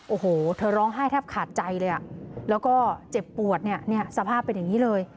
โอ้โหเธอร้องไห้แทบขาดใจเลยแล้วก็เจ็บปวดเนี่ยสภาพเป็นอย่างนี้เลย